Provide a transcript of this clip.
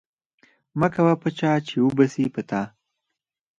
مکوه په چا، چي و به سي په تا